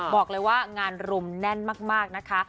บอกเลยว่างานรุมแน่นมากนะคะ